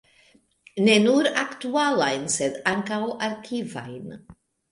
Ne nur aktualajn, sed ankaŭ arkivajn.